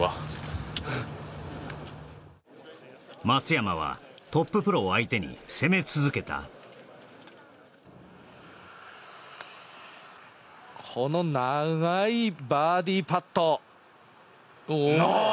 松山はトッププロを相手に攻め続けたこの長いバーディーパットおおっ！